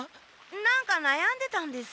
なんか悩んでたんですか？